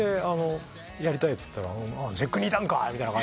「やりたい」っつったら「ＧＥＣにいたんか？